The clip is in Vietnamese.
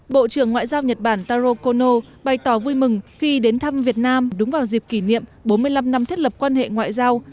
bộ trưởng ngoại giao nhật bản taro kono bày tỏ vui mừng khi đến thăm việt nam đúng vào dịp kỷ niệm bốn mươi năm năm thiết lập quan hệ ngoại giao